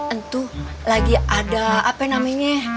entuh lagi ada apa namanya